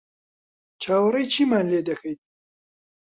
چاوەڕێی چیمان لێ دەکەیت؟